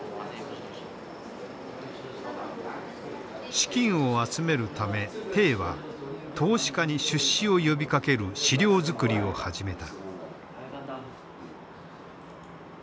資金を集めるためは投資家に出資を呼びかける資料作りを始めた。